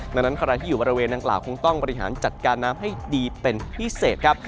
ดังนั้นใครที่อยู่บริเวณนางกล่าวคงต้องบริหารจัดการน้ำให้ดีเป็นพิเศษครับ